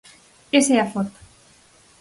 Esa é a foto.